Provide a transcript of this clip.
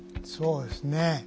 そうですね